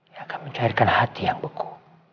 yang akan mencairkan hati yang beku